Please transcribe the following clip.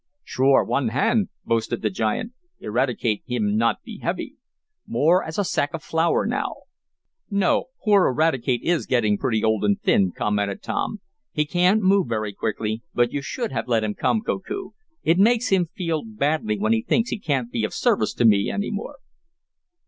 "Sure. One hand!" boasted the giant. "Eradicate him not be heavy. More as a sack of flour now." "No, poor Eradicate is getting pretty old and thin," commented Tom. "He can't move very quickly. But you should have let him come, Koku. It makes him feel badly when he thinks he can't be of service to me any more."